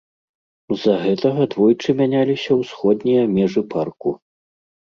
З-за гэтага двойчы мяняліся ўсходнія межы парку.